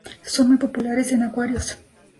Son muy populares en acuarios.